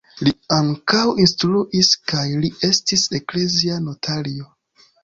Li ankaŭ instruis kaj li estis eklezia notario.